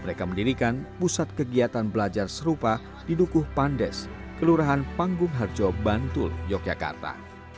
mereka mendirikan pusat kegiatan belajar serupa di dukuh pandes kelurahan panggung harjo bantul yogyakarta